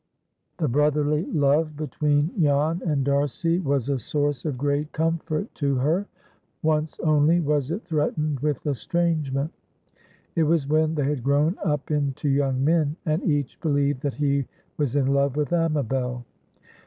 The brotherly love between Jan and D'Arcy was a source of great comfort to her. Once only was it threatened with estrangement. It was when they had grown up into young men, and each believed that he was in love with Amabel.